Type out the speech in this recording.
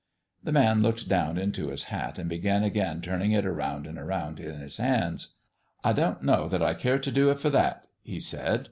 The man looked down into his hat and began again turning it around and around in his hands. "I don't know that I care to do it for that," he said.